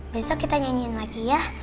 besok kita nyanyiin lagi ya